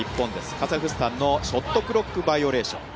カザフスタンのショットクロックバイオレーション。